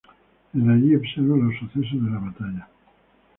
Desde allí observa los sucesos de la batalla.